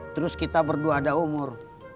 terus kita berdua ada umur